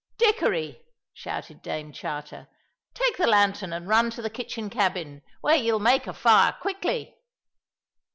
"Dickory!" shouted Dame Charter, "take the lantern and run to the kitchen cabin, where ye'll make a fire quickly."